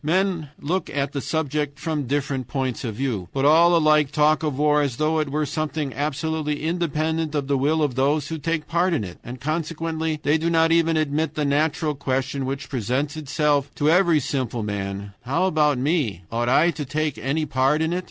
Men look at the subject from different points of view, but all alike talk of war as though it were something absolutely independent of the will of those who take part in it. And consequently they do not even admit the natural question which presents itself to every simple man: "How about me ought I to take any part in it?"